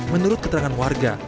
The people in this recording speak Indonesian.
menurut keterangan warga